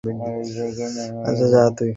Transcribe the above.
আচ্ছা, তুই যা।